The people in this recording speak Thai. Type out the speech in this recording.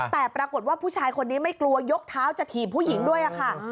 แต่ปรากฏว่าผู้ชายคนนี้ไม่กลัวยกเท้าจะถีบผู้หญิงด้วยค่ะ